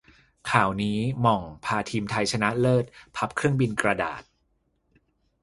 ข่าวนี้ - หม่อง พาทีมไทยชนะเลิศพับเครื่องบินกระดาษ